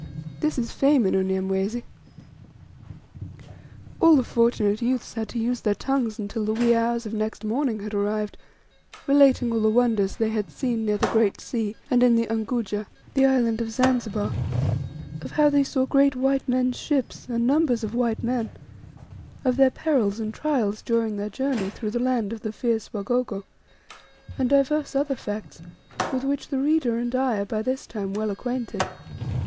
This is fame in Unyamwezi! All the fortunate youths had to use their tongues until the wee hours of next morning had arrived, relating all the wonders they had seen near the Great Sea, and in the "Unguja," the island of Zanzibar; of how they saw great white men's ships, and numbers of white men, of their perils and trials during their journey through the land of the fierce Wagogo, and divers other facts, with which the reader and I are by this time well acquainted.